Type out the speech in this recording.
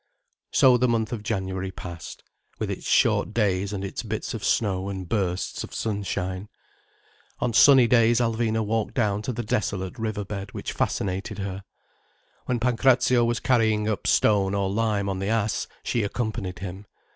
So the month of January passed, with its short days and its bits of snow and bursts of sunshine. On sunny days Alvina walked down to the desolate river bed, which fascinated her. When Pancrazio was carrying up stone or lime on the ass, she accompanied him.